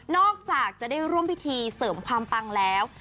จากจะได้ร่วมพิธีเสริมความปังแล้ว